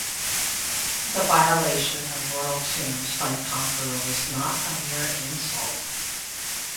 The violation of royal tombs by a conqueror was not a mere insult.